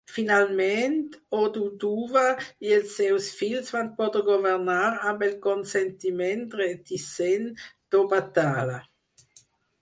Finalment, Oduduwa i els seus fills van poder governar amb el consentiment reticent d'Obatala.